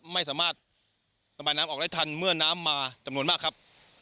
ไม่สามารถระบายน้ำออกได้ทันเมื่อน้ำมาจำนวนมากครับ